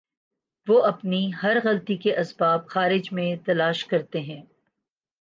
وہ اپنی ہر غلطی کے اسباب خارج میں تلاش کرتے ہیں۔